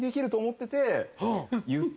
って。